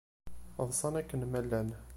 Ḍsan akken ma llan.